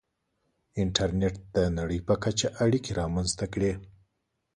• انټرنېټ د نړۍ په کچه اړیکې رامنځته کړې.